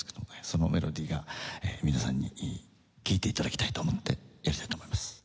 そのメロディーが皆さんに聴いて頂きたいと思ってやりたいと思います。